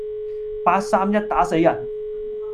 八三一打死人